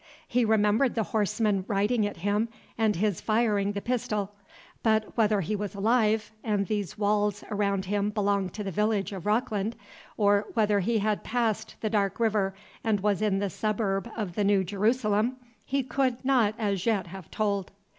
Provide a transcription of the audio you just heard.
He remembered the horseman riding at him, and his firing the pistol; but whether he was alive, and these walls around him belonged to the village of Rockland, or whether he had passed the dark river, and was in a suburb of the New Jerusalem, he could not as yet have told.